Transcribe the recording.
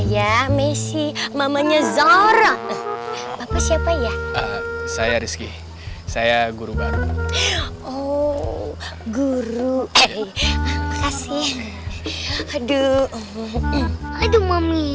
mamesi mamanya zara apa siapa ya saya rizky saya guru baru oh guru kasih haduh aduh mami